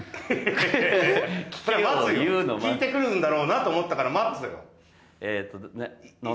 待つよ聞いてくるんだろうなと思ったから待ってたよ